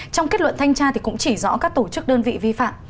trong kết luận thanh tra cũng chỉ rõ các tổ chức đơn vị vi phạm